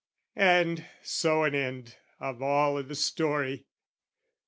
And so an end of all i' the story.